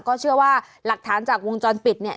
ก็เชื่อว่าหลักฐานจากวงจรปิดเนี่ย